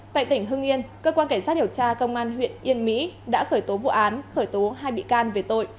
tại tỉnh hưng yên cơ quan cảnh sát điều tra công an huyện yên mỹ đã khởi tố vụ án khởi tố hai bị can về tội